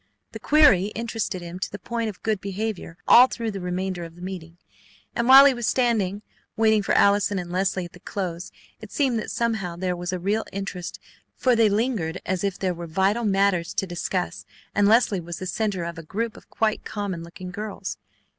The query interested him to the point of good behavior all through the remainder of the meeting, and while he was standing waiting for Allison and Leslie at the close. It seemed that somehow there was a real interest, for they lingered as if there were vital matters to discuss, and Leslie was the centre of a group of quite common looking girls.